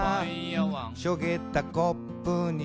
「しょげたコップに」